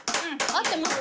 合ってます。